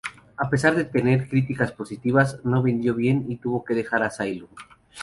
A pesar de tener críticas positivas no vendió bien y tuvo que dejar Asylum.